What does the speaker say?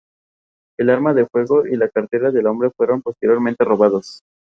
Yuko es la protagonista femenina principal de la historia.